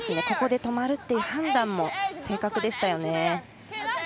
ここで止まるという判断も正確でしたよね。